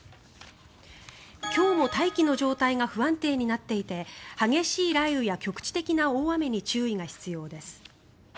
今日も大気の状態が不安定になっていて激しい雷雨や局地的な大雨に注意が必要です。